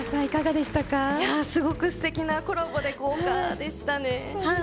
すごくすてきなコラボで豪華でしたね。